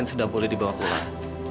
saya boleh di bawah pulang